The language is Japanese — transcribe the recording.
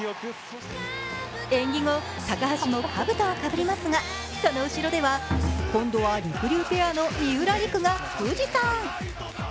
演技後、高橋もかぶとをかぶりますが、その後ろでは、今度はりくりゅうペアの三浦璃来が富士山。